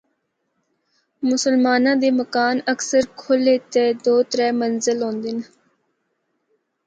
مسلماناں دے مکان اکثر کھلے تے دو ترے منزل ہوندے ہن۔